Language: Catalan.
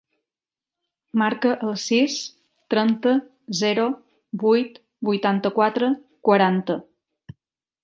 Marca el sis, trenta, zero, vuit, vuitanta-quatre, quaranta.